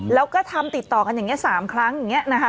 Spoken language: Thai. แล้วก็ทำติดต่อกันอย่างนี้๓ครั้งอย่างนี้นะคะ